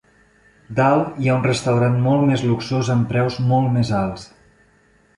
Dalt hi ha un restaurant molt més luxós amb preus molt més alts.